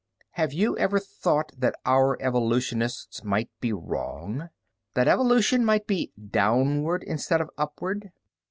"Have you ever thought that our evolutionists might be wrong, that evolution might be downward instead of upward?